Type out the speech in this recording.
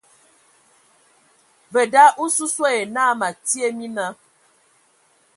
Ve da, osusua ye naa me atie mina.